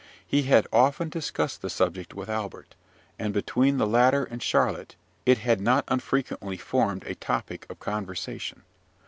He had often discussed the subject with Albert; and, between the latter and Charlotte, it had not unfrequently formed a topic of conversation.